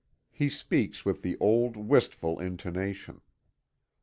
He speaks with the old, wistful intonation.